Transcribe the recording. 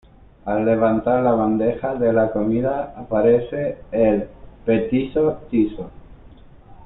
Al levantar la bandeja de la comida aparece el petiso Tiso.